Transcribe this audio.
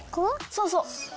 そうそう。